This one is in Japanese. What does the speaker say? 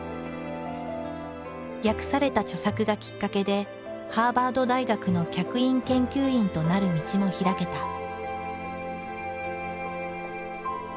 訳された著作がきっかけでハーバード大学の客員研究員となる道も開けた。